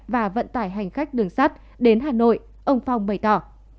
và vận tải hành khách đường sắt đến hà nội ông phong bày tỏ